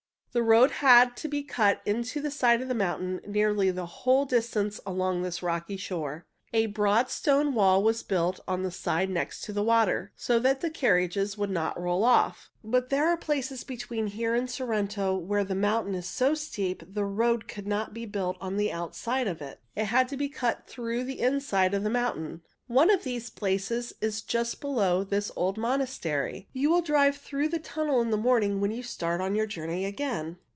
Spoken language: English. The road had to be cut into the side of the mountain nearly the whole distance along this rocky shore. A broad stone wall was built on the side next to the water, so that carriages would not roll off. But there are places between here and Sorrento where the mountain is so steep the road could not be built on the outside of it. It had to be cut through the inside of the mountain. One of those places is just below this old monastery. You will drive through the tunnel in the morning when you start on your journey again.